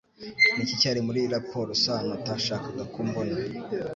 Ni iki cyari muri raporo Sano atashakaga ko mbona